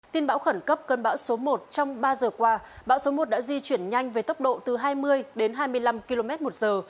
tin bão khẩn cấp cơn bão số một trong ba giờ qua bão số một đã di chuyển nhanh về tốc độ từ hai mươi đến hai mươi năm km một giờ